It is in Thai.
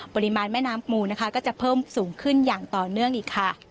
ปริมาณแม่น้ำปูนะคะก็จะเพิ่มสูงขึ้นอย่างต่อเนื่องอีกค่ะ